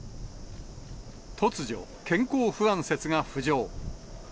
突如、健康不安説が浮上。